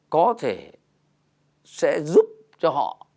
có thể sẽ giúp cho họ